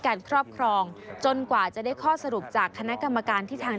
ครอบครองจนกว่าจะได้ข้อสรุปจากคณะกรรมการที่ทาง